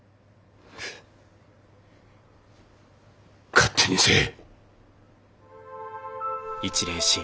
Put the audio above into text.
勝手にせえ。